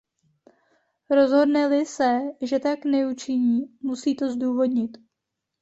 Rozhodne-li se, že tak neučiní, musí to zdůvodnit.